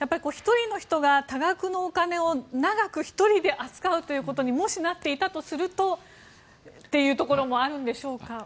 １人の人が多額のお金を長く１人で扱うということにもしなっていたとするとというところもあるんでしょうか。